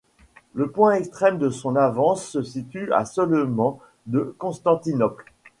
Le point extrême de son avance se situe à seulement de Constantinople.